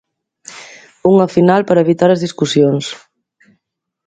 Unha final para evitar as discusións.